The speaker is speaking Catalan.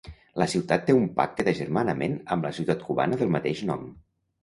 La ciutat té un pacte d'agermanament amb la ciutat cubana del mateix nom.